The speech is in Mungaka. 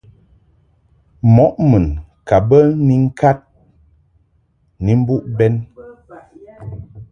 Mɔʼ mun ka bə ni ŋkad ni mbuʼ bɛn.